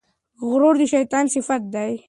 غرور د شیطان صفت دی.